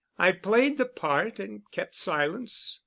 I played the part and kept silence.